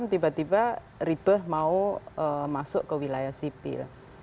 tiba tiba ribe mau masuk ke wilayah sipil